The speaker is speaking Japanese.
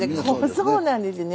そうなんですね。